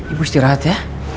ibu istirahat ya